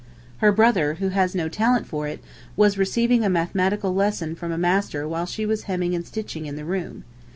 Her brother, who has no talent for it, was receiving a mathematical lesson from a master while she was hemming and stitching in the room.